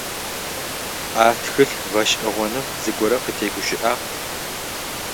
А тхылъ гъэшӏэгъоным зыгорэ къытегущыӏэгъагъ.